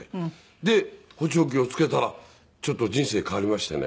で補聴器をつけたらちょっと人生変わりましてね。